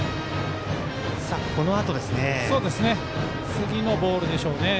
次のボールでしょうね。